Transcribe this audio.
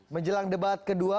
menjelang debat kedua